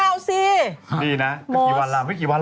นี่ขอดูอีกทิศสิฮะขอดูอีกนิดนึงเราจะโดนงดกี่วันฮะ